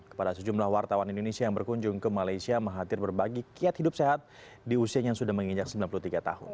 kepada sejumlah wartawan indonesia yang berkunjung ke malaysia mahathir berbagi kiat hidup sehat di usianya yang sudah menginjak sembilan puluh tiga tahun